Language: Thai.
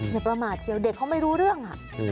อย่าประมาทเชียวเด็กเขาไม่รู้เรื่อง